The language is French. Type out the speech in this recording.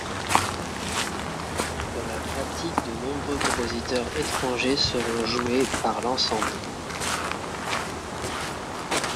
Dans la pratique de nombreux compositeurs étrangers seront joués par l'ensemble.